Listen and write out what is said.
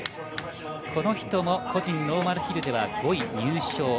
この人も個人ノーマルヒルでは５位入賞。